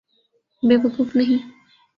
بے وقوف نہیں۔